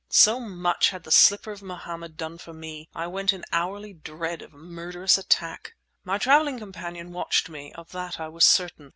So much had the slipper of Mohammed done for me: I went in hourly dread of murderous attack! My travelling companion watched me; of that I was certain.